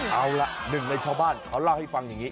เอาล่ะหนึ่งในชาวบ้านเขาเล่าให้ฟังอย่างนี้